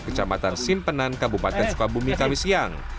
kecamatan simpenan kabupaten sukabumi kamisyang